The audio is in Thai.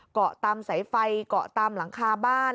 เกาะตามสายไฟเกาะตามหลังคาบ้าน